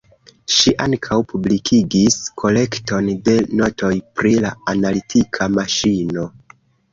Ŝi ankaŭ publikigis kolekton de notoj pri la analitika maŝino.